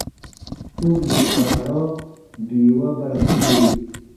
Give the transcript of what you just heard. Tundo kpaarɔ biiwa ba ra tie.